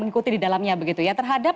ikuti di dalamnya begitu ya terhadap